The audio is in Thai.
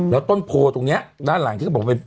แล้วต้นโพตรงนี้ด้านหลังที่เขาบอกเป็น